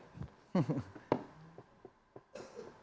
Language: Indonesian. saya terangkan itu sebagai catatan kaki nanti ya